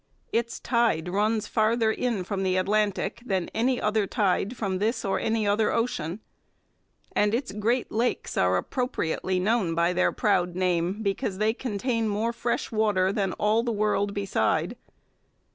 Its tide runs farther in from the Atlantic than any other tide from this or any other ocean. And its 'Great Lakes' are appropriately known by their proud name because they contain more fresh water than all the world beside.